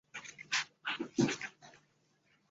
它们在酸性溶液中的电势介于过氧化氢的电势之间。